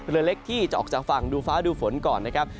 เรือเล็กที่จะออกจากฝั่งดูฟ้าดูฝนก่อนนะครับ